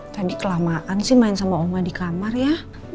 tadi kelamaan sih main sama ongo di kamar ya